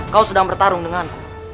kau sedang bertarung denganku